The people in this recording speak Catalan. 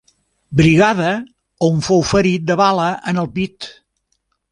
Brigada, on fou ferit de bala en el pit.